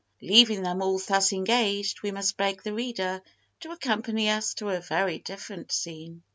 Leaving them all thus engaged, we must beg the reader to accompany us to a very different scene.